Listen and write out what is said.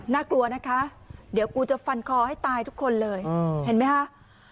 น่ากลัวนะคะเดี๋ยวกูจะฟันคอให้ตายทุกคนเลยเห็นไหมคะ